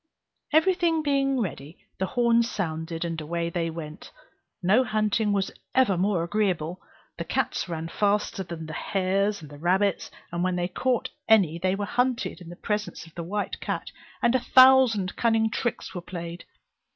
Every thing being ready, the horns sounded, and away they went; no hunting was ever more agreeable; the cats ran faster than the hares and rabbits; and when they caught any they were hunted in the presence of the white cat, and a thousand cunning tricks were played.